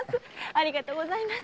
ありがとうございます。